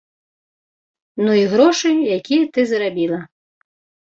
Ну і грошы, якія ты зарабіла.